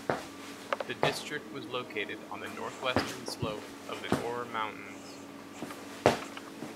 The district was located on the northwestern slope of the Ore Mountains.